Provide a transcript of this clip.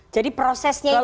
jadi prosesnya itu bang